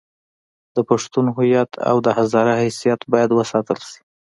د پښتون هویت او د هزاره حیثیت باید وساتل شي.